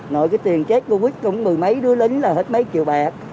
nội cái tiền chết covid cũng mười mấy đứa lính là hết mấy triệu bạc